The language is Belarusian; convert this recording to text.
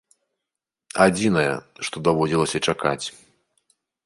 Адзінае, што даводзілася чакаць.